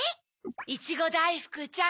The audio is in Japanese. いちごだいふくちゃん。